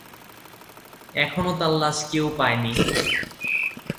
এখনও তার লাশ কেউ পায়নি।